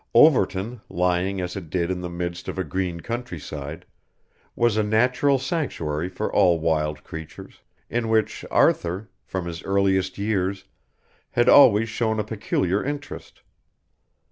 Overton, lying as it did in the midst of a green countryside, was a natural sanctuary for all wild creatures, in which Arthur, from his earliest years, had always shown a peculiar interest.